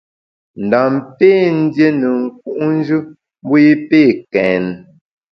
Ndam pé ndié ne nku’njù mbu i pé kèn.